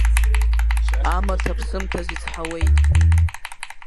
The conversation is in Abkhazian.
Амаҭ аԥсымҭаз ицҳауеит.